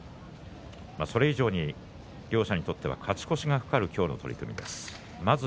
それ以上に両者にとっては勝ち越しが懸かる今日の取組になります。